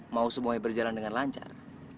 mau semuanya berjalan dengan lancar